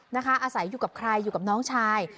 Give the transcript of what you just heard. อาศัยอยู่กับใครอยู่กับน้องชาย